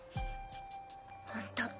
ホント。